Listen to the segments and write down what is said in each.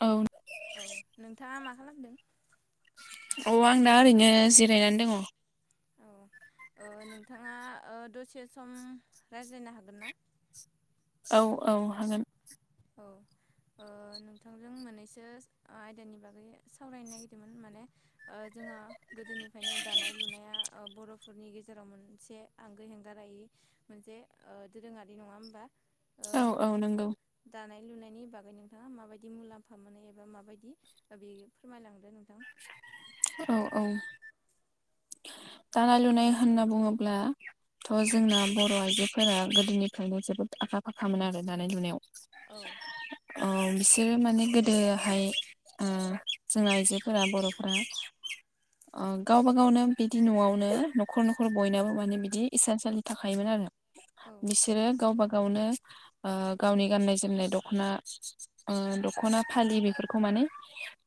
औ। औ नोंथाङा मा खालामदों? अ आं दा ओरैनो जिरायनानै दङ। औ ओ नोंथाङा दसे सम रायज्लायनो हागोन ना? औ औ हागोन। औ। ओ नोंथांजों मोननैसो आयदानि बागै सावरायनो नागिरदोंमोन माने ओ जोंहा गोदोनिफ्रायनो दानाय लुनाया बर' फोरनि गेजेराव मोनसे आंगो हेंगारायै मोनसे ओ दोरोङारि नङा होमबा? ओ न नोंगौ। दानाय लुनायनि बागै नोंथाङा माबायदि मुलाम्फा मोनो एबा माबायदि बे फोरमायलांदो नोंथां। औ औ। दानाय लुनाय होनना बुङोब्ला थ' जोंना बर' आइजोफोरा गोदोनिफ्रायनो जोबोद आखा फाखामोन आरो दानाय लुनायाव। औ अ बिसोरो माने गोदोहाय ओ जोंना आइजोफोरा बर'फोरा ओ गावबा गावनो बिदि न'आवनो न'खर न'खर बयनाबो माने बिदि इसान सालि थाखायोमोन आरो। औ बिसोरो गावबा गावनो ओ गावनि गाननाय जोमनाय दख'ना ओ दख'ना फालि बेफोरखौ माने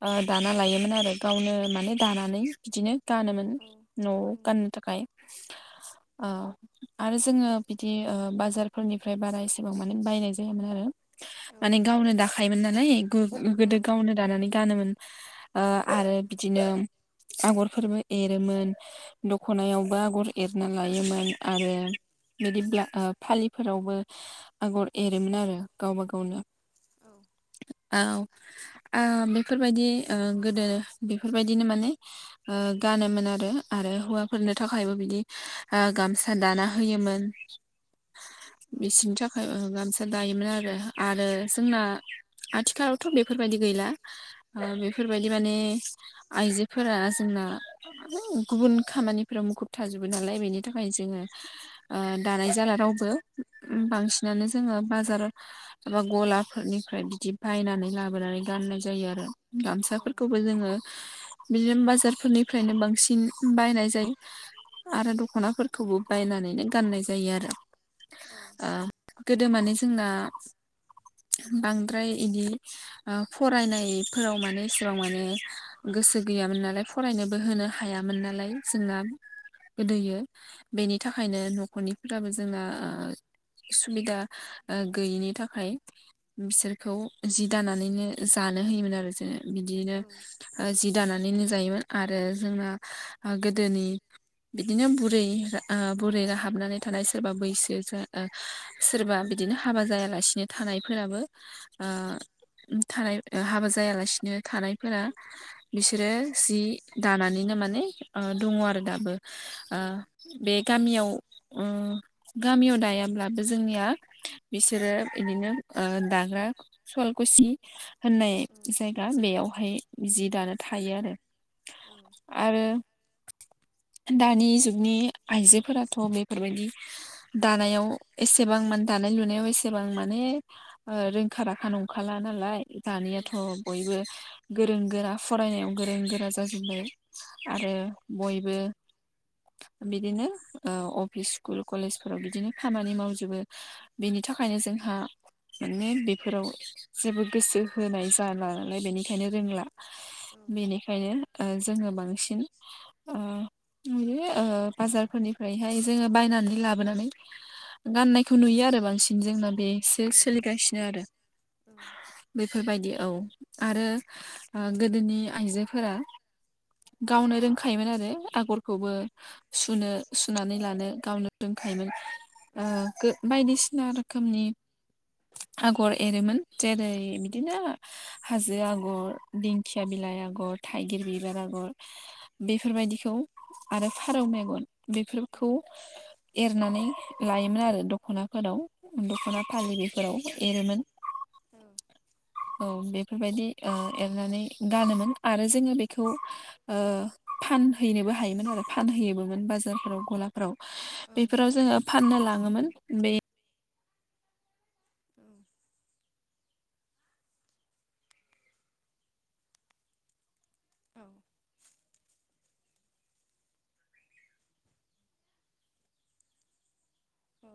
ओ दाना लायोमोन आरो गावनो माने दानानै बिदिनो गानोमोन औ न'आव औ गाननो थाखाय ओ आरो जोंङो बिदि ओ बाजारफोरनिफ्राय बारा एसेबां माने बायनाय जायामोन आरो। औ माने गावनो दाखायोमोन नालाय गोदो औ गावनो दानानै गानोमोन। ओ आरो बिदिनो आगरफोरबो एरोमोन। दखनायावबो आगर एरना लायोमोन आरो बिदिब्ला ओ फालिफोरावबो आगर एरोमोन आरो गावबा गावनो औ औ आ बेफोरबायदि ओ गोदो बेफोरबायदिनो माने ओ गानोमोन आरो आरो हौवाफोरनो थाखायबो बिदि इ गामसा दाना होयोमोन। औ बिसेनि थाखाय ओ गान दायोमोन आरो आरो जोंना आथिखालावथ' बेफोरबायदि गैला ओ बेफोरबायदि माने आइजोफोरा जोंना गुबुन खामानिफोराव मुखुब थाजोबो नालाय बेनि थाखायनो जोंङो ओ दानाय जाला रावबो औ बांसिनानो जोंङो बाजार माबा गलाफोरनिफ्राय बिदि बायनानै लाबोनानै गाननाय जायो आरो। गामसाफोरखौबो जोंङो बिदिनो बाजारफोरनिफ्रायनो बांसिन बायनाय जायो आरो दख'नाफोर खौबो बायनानैनो गाननाय जायो आरो। ओ गोदो माने जोंना बांद्राय इदि ओ फरायनायफोराव माने एसेबां माने गोसो गैयामोन नालाय। फरायनोबो होनो हायामोन नालाय सिङाम गोदैयो बेनि थाखायनो न'खरनिफोराबो जोंना सुबिदा ओ गैयिनि थाखाय बिसोरखौ जि दानानैनो जानो होयोमोन आरो जोङो बिदिनो ओ जि दानानै नो जायोमोन आरो जोंना आ गोदोनि बिदिनो बुरै आ बुरै राहाबनानै थानाय सोरबा बैसो जा ओ सोरबा बिदिनो हाबा जायालासिनो थानायफोराबो ओ थानाय हाबा जायालासिनो थानायफोरा बिसोरो जि दानानैनो माने ओ दङ' आरो दाबो ओ बे गामियाव उ गामियाव दायाब्लाबो जोंनिया बिसोरो इदिनो ओ दाग्रा सलकुसि होननाय जायगा बेयावहाय जि दानो थायो आरो। आरो दानि जुगनि आइजोफोराथ' बेफोरबायदि दानायाव एसेबां मान दानाय लुनायाव एसेबां माने ओ रोंखा राखा नंखाला नालाय दानियाथ' बयबो गोरों गोरा फरायनायाव गोरों गोरा जाजोब्बाय आरो बयबो बिदिनो ओ अफिस स्कुल कलेजफोराव बिदिनो खामानि मावजोबो बेनि थाखायनो जोंहा माने बेफोराव जेबो गोसो होनाय जाला नालाय बेनिखायनो रोंला। बेनिखायनो ओ जोङो बांसिन ओ [unintelligible] ओ बाजारफोरनिफ्रायहाय जोङो बायनानै लाबोनानै गाननायखौ नुयो आरो बांसिन जोंना बेसो सोलिगासिनो आरो। बेफोरबायदि औ आरो गोदोनि आइजोफोरा गावनो रोंखायोमोन आरो आगरखौबो सुनो सुनानै लानो गावनो रोंखायोमोन ओ गो बायदिसिना रोखोमनि आगर एरोमोन जेरै बिदिनो हाजो आगर दिंखिया बिलाइ आगर थाइगिर बि बिबार आगर बेफोरबायदिखौ आरो फारौ मेगन बेफोरखौ एरनानै लायोमोन आरो दख'नाफोराव। दख'ना फााललि बेफोराव एरोमोन औ औ बेफोरबायदि ओ एरनानै गानोमोन आरो जोङो बे खौ ओ फानहैनोबो हायोमोन आरो फानहैयोबोमोन बाजारफोराव गलाफ्राव। बेफोराव जोङो फाननो लाङोमोन बे औ। औ।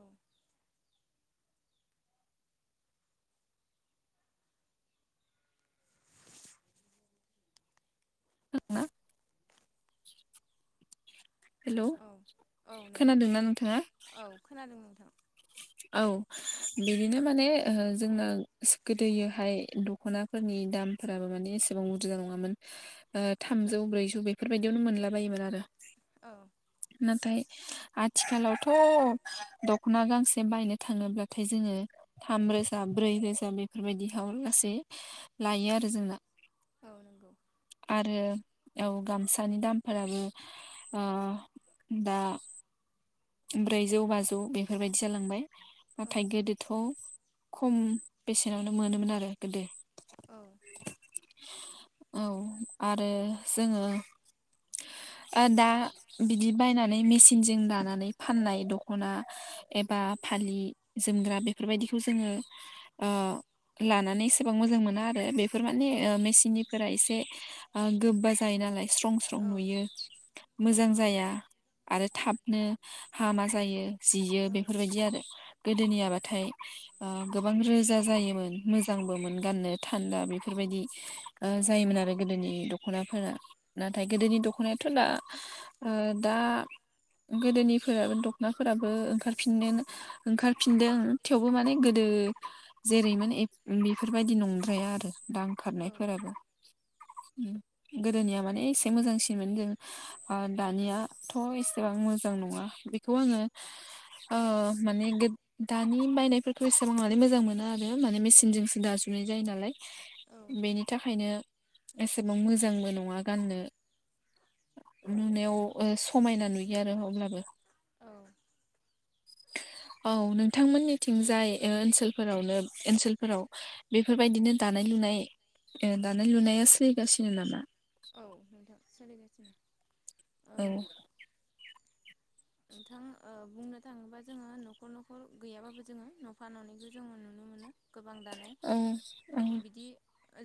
[unintelligible] ज [inaudible] औ औ नोंथां खोनादोंना नोंथाङा औ खोनादों नोंथां। [inaudible] औ बिदिनो माने ओ जोंना गोदोयोहाय दख'ना फोरनि दामफोराबो माने एसेबां बुरजा नङामोन ओ थामजौ ब्रैजौ बेफोरबायदियावनो मोनला बायोमोन आरो। औ नाथाय आथिखालावथ' द ख'ना गांसे बायनो थाङोब्लाथाय जोङो थाम रोजा ब्रै रोजा बेफोरबायदिहाव लासै लायो आरो जोंना। औ नंगौ आरो औ गामसानि दामफोराबो आ दा ब्रैजौ बाजौ बेफोरबायदि जालांबाय औ नाथाय गोदोथ' खम बेसेनावनो मोनोमोन आरो गोदो। औ। औ आरो जोङो ओ दा बिदि बायनानै मेसिनजों दानानै फाननाय दख'ना एबा फालि जोमग्रा बेफोरबायदिखौ जोङो ओ लानानै एसेबां मोजां मोना आरो बेफोर माने औ मेसिननिफोरा एसे ओ गोबा जायो नालाय स्रं स्रं औ नुयो। मोजां जाया आरो थाबनो हामा जायो जियो बेफोरबायदि आरो गोदोनियाबाथाय ओ गोबां रोजा जायोमोन मोजांबोमोन गाननो थान्दा बेफोरबायदि ओ औ जायोमोन आरो गोदोनि दख'नाफोरा नाथाय गोदोनि दख'नायाथ' दा ओ दा गोदोनिफोराबो दख'नाफोराबो ओंखारफिननो ओंखारफिनदों थेवबो माने गोदो जेरैमोन ए बेफोरबायदि नंद्राया आरो दा औ ओंखारनायफोराबो। उम। गोदोनिया माने एसे मोजांसिनमोन जों ओ दानियाथ' एसेबां मो जां नङा बेखौ आङो ओ माने गोद दानि बायनायफोरखौ एसेबां माने मोजां मोना आरो माने मेसिनजोंसो दाजो नाय जायो नालाय। बेनि थाखायनो एसेबां मोजांबो नङा गाननो। नुनायाव ओ समायना नुयो आरो औ। औ। औ नोंथांमोननिथिंजाय ओनसोलफोरावनो ओनसोलफोराव बेफोरबायदिनो दानाय लुनाय ओ दानाय लुनाया सोलिगासिनो नामा? औ नोंथां सोलिगासिनो। ओ औ। नोंथां ओ बुंनो थाङोबा जोङो न'खर न'खर गैयाबाबो जोङो न'फा न'नायखौ जोङो नुनो मोनो। गोबां दानाय औ बिदि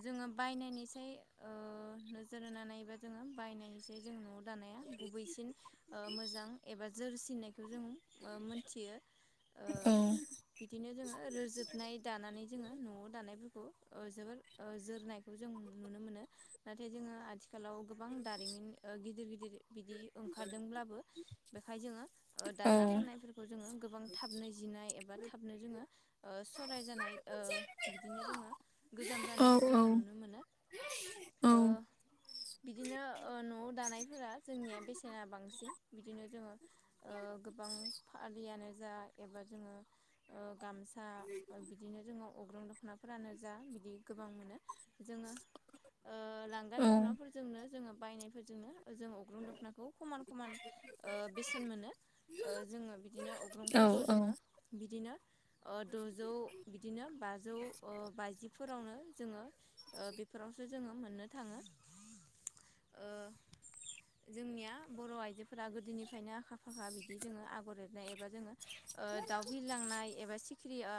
जोङो बायनायनिसाय ओह नोजोर होना नायबा जोङो बायनायनिसाय जों न' दानाया गुबैसिन ओ मोजां एबा जोरसिननायखौ जों मोनथियो। ओ औ। बिदिनो जोङो रोजोबनाय दानानै जोङो न'आव दानायफोरखौ जोबोर ओ जोरनायखौ जों नुनो मोनो नाथाय जोङो आथि खालाव गोबां दारिमिन ओ गिदिर गिदिर बिदि ओंखारदोंब्लाबो बेखाय जोङो औ दाना फाननायफोरखौ जोङो गोबां थाबनो जिनाय एबा थाबनो जोङो ओ सराय जानाय ओ बिदिनो जोङो गोजाम औ जानायखौ जोङो नुनो मोनो। औ ओ बिदिनो न'आव दानायफोरा जोंनिया बेसेना बांसिन बिदिनो जोङो गोबां फालियानो जा एबा जोङो ओ गामसा बिदिनो जोंङो अग्रं दख'नाफोरानो जा बिदि गोबां मोनो। जोङो ओ लांगा दख'नाफोरजोंनो जोङो बायनायफोरजोंनो जों अग्रं दख'नाखौ खमन खमन ओ बेसेन मोनो जोङो बिदिनो औ अग्रंफोरखौ जोङो बिदिनो ओ द'जौ बिदिनो बाजौ ओ बाजिफोरावनो जोङो ओ बेफोरावसो जोङो मोननो थाङो। ओ जोंनिया बर' आइजो फोरा गोदोनिफ्रायनो आखा फाखा बिदि जोङो आगर एरनाय एबा जोङो ओ दाउ लांनाय एबा सिखिरि ओ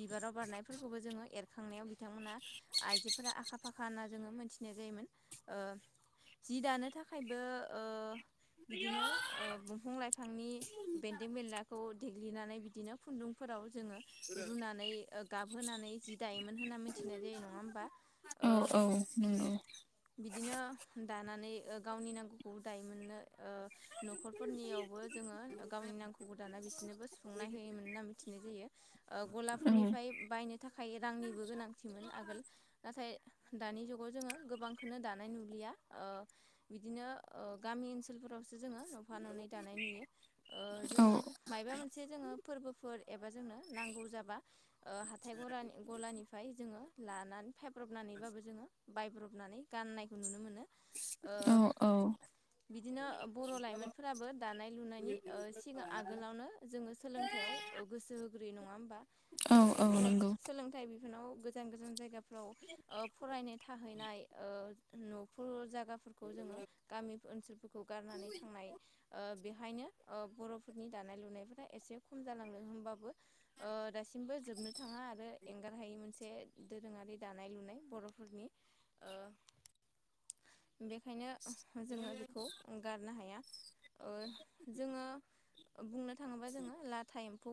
बिबाराव बारनायफोरखौबो जोङो एरखांनायाव बिथांमोना आइजोफोरा आखा फाखा होनना जोङो मोनथिनाय जायोमोन। ओ जि दानो थाखायबो ओ बिदिनो बंफां लाइफांनि बेन्दों बेनलाखौ देग्लिनानै बिदिनो खुन्दुंफोराव जोङो रुनानै गाबहोनानै जि दायमोन होन्ना मिथिनाय जायो नङा होमबा। औ औ नंगौ औ ओ बिदिनो दानानै गावनि नांगौखौ दाय मोननो ओ न'खरफोरनियावबो जोङो गावनि नामखौ गोदाना बिसोरनोबो सुफुंनाय होयोमोन ना मिथिनाय जायो। ओ गलाफोरनिफ्राय बायनो थाखाय रांनिबो गोनांथिमोन आगोल। नाथाय दानि जुगाव जोङो गोबांखौनो दानाय नुलिया। ओ बिदिनो गामि ओनसोलफोरावसो जोङो न'फा न'नै दानाय नुयो ओ जोङो मायबा मोनसे जोङो फोरबोफोर एबा जोंनो नांगौ जाबा हााइ गरान- गलानिफ्राय जोङो लानानै फायब्रबनानैबाबो जोङो बायब्रबनानै गाननायखौ नुनो मोनो। ओ औ औ। बिदिनो बर' लाइमोनफोराबो दानाय लुनायनि ओ सिगां आगोलावनो जोङो सोलोंथाइयाव गोसो होग्रय नङा होमबा, औ औ नंगौ सोलोंथाइ बिफानाव गोजान गोजान जायगा फ्राव फरायनो थाहैनाय न'फोर जा गाफोरखौ जोङो गामि ओनसोलफोरखौ गारनानै थांनाय ओ बेहायनो ओ बर'फोरनि दानाय लुनायफोरा एसे खम जालांदों होनोमबाबो ओ दासिमबो जोबनो थाङा आरो एंगार हायि मोनसे दोरोङारि दानाय लुनाय बर'फोरनि ओ बेखायनो जोङो बेखौ गारनो हाया। ओ जोङो बुंनो थाङोबा जोङो लाथा एम्फौ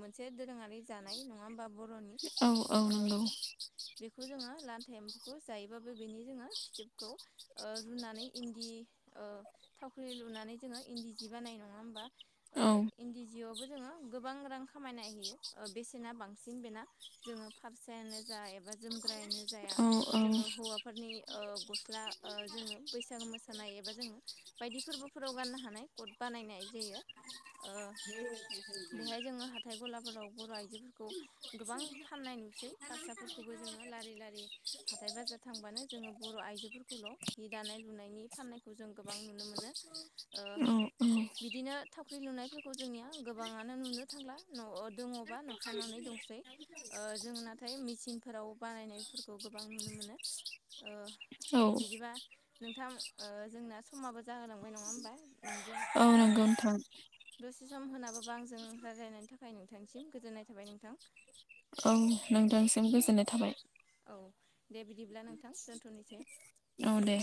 मोनसे दोरोङारि जानाय नङा होमबा बर'नि औ औ ओ नंगौ बेखौ जोङो लानथा एम्फौखौ जायोबाबो बेनि जोङो फिथोबखौ रुनानै इन्दि ओ थावख्रि लुनानै जोङो इन्दि सि बानायो नङा हबा ओ औ इन्दिजियाव बो जोङो गोबां रां खामायनाय होयो बेसेना बांसिन बेना। जोङो फारसायानो जा एबा जोमग्रायानो जाया जोङो हौवाफोरनि ओ गस्ला जोङो बैसागो मोसानाय एबा जोङो बायदि फोरबोफोराव गाननो हानाय कट बानायनाय जायो। ओ बेहाय जोङो हाथाय गलाफोराव बर' आइजोफोरखौ गोबां फाननाय नुसै। हारसाफोरखौबो जोङो लारि लारि हाथाय बाजार थांबानो जोङो बर' आइजोफोरखौल' जि दानाय लुनायनि फाननायखौ जों गोबां नुनो मोनो ओ बिदिनो थावख्रि लुनायफोरखौ जोंनिया गोबाङानो नुनो थांला न' दङबा नुफा ननै दं सै जों नाथाय मेसिन फोराव बानायनायफोरखौ गोबां नुनो मोनो ओ औ नंगौ औ बिदिबा नोंथां ओ जोंना समाबो जाहोलांबाय नङा होमबा नोंजों औ ओ नोंथां दसे सम होनाबाबो आंजों रायज्लायनायनि थाखाय नोंथांनिसिम गोजोननाय थाबाय नोंथां औ नोंथांसिम गोजोननाय थाबाय औ दे बिदिब्ला नोंथां दोनथ'नोसै। औ दे।